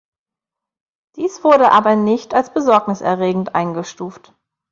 Dies wurde aber nicht als besorgniserregend eingestuft.